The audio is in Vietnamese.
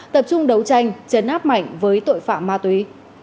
tập trung đấu tranh chấn áp mạnh với tội phạm ma túy